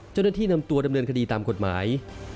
เจ้าหน้าที่นำตัวดำเนินคดีตามกฎหมาย